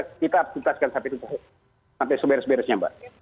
kita aktifkan sampai seberes beresnya pak